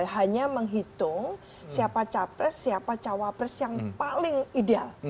hanya menghitung siapa capres siapa cawapres yang paling ideal